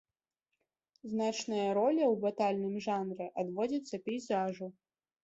Значная роля ў батальным жанры адводзіцца пейзажу.